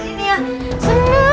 paling sendiri ya